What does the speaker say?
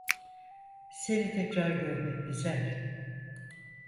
Seni tekrar görmek güzel.